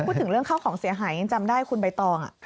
พูดถึงเรื่องข้าวของเสียหายยังจำได้คุณใบตอง